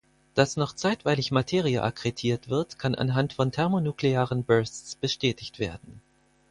Das noch zeitweilig Materie akkretiert wird, kann anhand von thermonuklearen Bursts bestätigt werden.